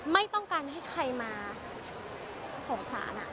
ไม่ต้องการให้ใครมาสงสาร